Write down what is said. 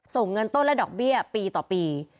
เงินต้นและดอกเบี้ยปีต่อปี